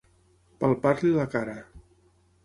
Palpar-li la cara.